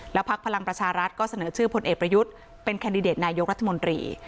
พักพลังประชารัฐก็เสนอชื่อพลเอกประยุทธ์เป็นแคนดิเดตนายกรัฐมนตรี